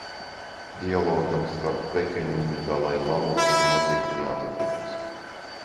Dialogam starp Pekinu un Dalailamu ir noteikti jāturpinās.